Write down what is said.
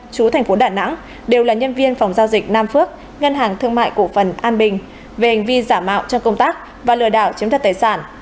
chú thành phố đà nẵng đều là nhân viên phòng giao dịch nam phước ngân hàng thương mại cổ phần an bình về hành vi giả mạo trong công tác và lừa đảo chiếm thật tài sản